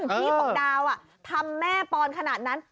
ท่านพี่พอกดาวอ่ะทำแม่ปอนด์ขนาดนั้น